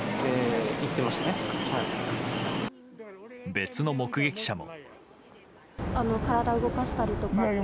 別の目撃者も。